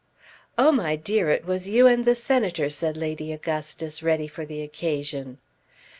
"Oh my dear it was you and the Senator," said Lady Augustus, ready for the occasion.